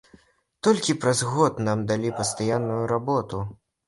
Толькі праз год нам далі пастаянную работу.